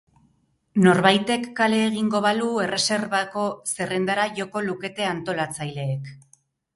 Norbaitek kale egingo balu, erreserbako zerrendara joko lukete antolatzaileek.